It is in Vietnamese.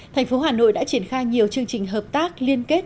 thành phố hà nội đã triển khai nhiều chương trình hợp tác liên kết